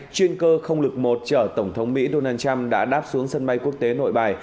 chuyên cơ không lực một chở tổng thống mỹ donald trump đã đáp xuống sân bay quốc tế nội bài